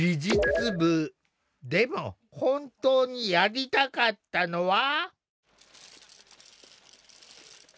でも本当にやりたかったのは。